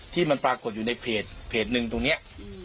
ที่มันปรากฏอยู่ในเพจหนึ่งตรงนี้